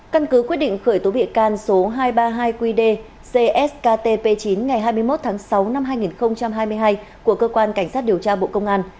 căn cứ quyết định khởi tố bị can số hai trăm ba mươi hai qd cktp chín ngày hai mươi một tháng sáu năm hai nghìn hai mươi hai của cơ quan cảnh sát điều tra bộ công an